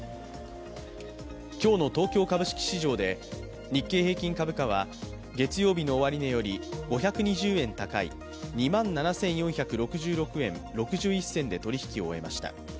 今日の東京株式市場で、日経平均株価は月曜日の終値より５２０円高い２万７４６６円６１銭で取り引きを終えました。